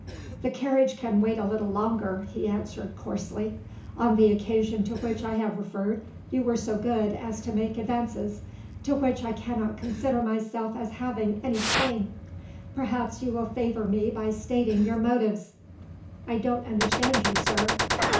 "The carriage can wait a little longer," he answered coarsely. "On the occasion to which I have referred, you were so good as to make advances, to which I cannot consider myself as having any claim. Perhaps you will favour me by stating your motives?" "I don't understand you, sir."